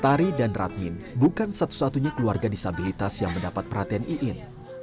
tari dan radmin bukan satu satunya keluarga disabilitas yang mendapat perhatian iin